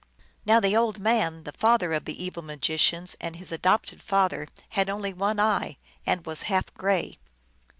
Now the old man, the father of the evil magicians and his adopted father, had only one eye, and was half gray.